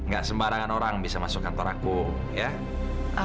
gak sembarangan orang bisa masuk kantor aku ya